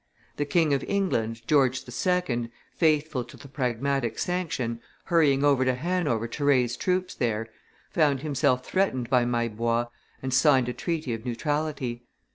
The King of England, George II., faithful to the Pragmatic Sanction, hurrying over to Hanover to raise troops there, found himself threatened by Maillebois, and signed a treaty of neutrality.